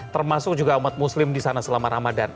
termasuk juga umat muslim di sana selama ramadan